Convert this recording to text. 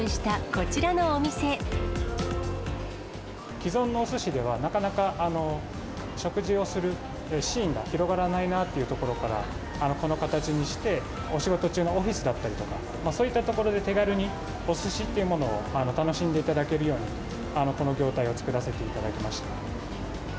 既存のおすしでは、なかなか食事をするシーンが広がらないなというところからこの形にして、お仕事中のオフィスだったりとか、そういった所で手軽におすしというものを楽しんでいただけるように、この業態を作らせていただきました。